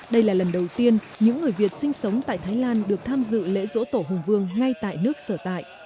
đây là lần đầu tiên những người việt sinh sống tại thái lan được tham dự lễ rỗ tổ hùng vương ngay tại nước sở tại